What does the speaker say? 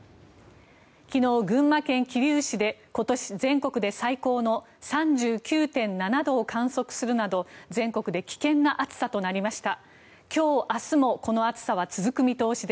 昨日、群馬県桐生市で今年、全国で最高の３９．７度を観測するなど全国で危険な暑さとなりました。